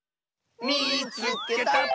「みいつけた！」。